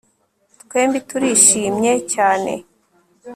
twembi turishimye cyane